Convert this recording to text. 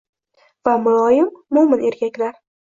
Va muloyim, mo‘min erkaklar.